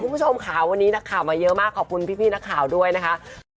คุณผู้ชมค่ะวันนี้นักข่าวมาเยอะมากขอบคุณพี่นักข่าวด้วยนะคะ